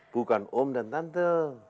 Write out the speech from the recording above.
bukan om dan tante